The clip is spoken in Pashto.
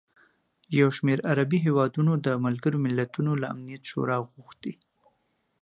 یوشمېر عربي هېوادونو د ملګروملتونو له امنیت شورا غوښتي